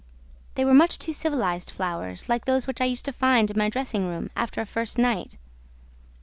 They were much too civilized flowers, like those which I used to find in my dressing room after a first night.